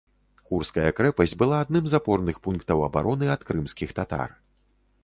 Курская крэпасць была адным з апорных пунктаў абароны ад крымскіх татар.